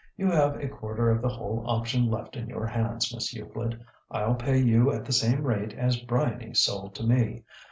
You have a quarter of the whole option left in your hands, Miss Euclid. I'll pay you at the same rate as Bryany sold to me.